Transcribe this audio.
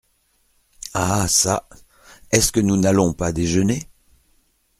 Ah ça ! est-ce que nous n’allons pas déjeuner ?